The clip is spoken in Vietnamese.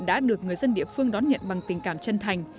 đã được người dân địa phương đón nhận bằng tình cảm chân thành